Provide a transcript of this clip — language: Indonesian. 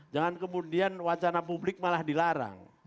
jangan kemudian wacana publik malah dilarang